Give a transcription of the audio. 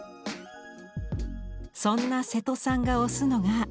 そんな瀬戸さんが推すのが。